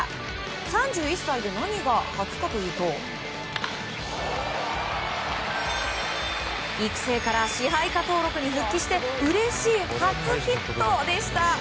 ３１歳で何が初かというと育成から支配下登録に復帰して嬉しい初ヒットでした。